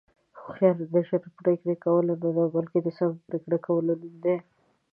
هوښیاري د ژر پرېکړې کولو نه، بلکې د سمې پرېکړې کولو نوم دی.